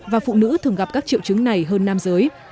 và phụ nữ thường gặp các triệu chứng này hơn nam giới